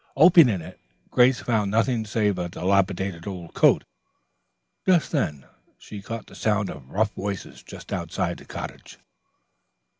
Opening it, Grace found nothing save a dilapidated old coat. Just then she caught the sound of rough voices just outside the cottage.